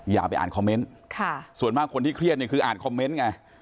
อย่าไปอ่านคอมเมนต์ส่วนมากคนที่เครียดเนี่ยคืออ่านคอมเมนต์ไง